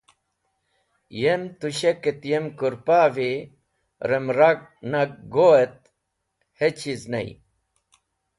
Yem tushek et yem kũrpa’vi rem ra nag go et hechiz ney.